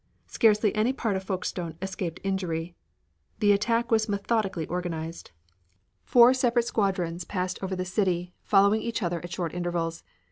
Scarcely any part of Folkestone escaped injury. The attack was methodically organized. Four separate squadrons passed over the city, following each other at short intervals.